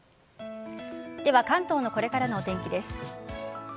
では関東のこれからのお天気です。